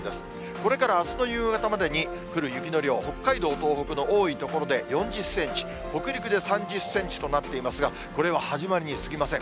これからあすの夕方までに降る雪の量、北海道、東北の多い所で４０センチ、北陸で３０センチとなっていますが、これは始まりにすぎません。